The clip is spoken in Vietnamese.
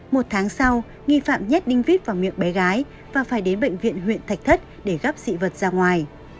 một tháng sau nghi phạm nhét đinh vít vào miệng bé gái và phải đến bệnh viện huyện thạch thất để gắp dị vật ra ngoài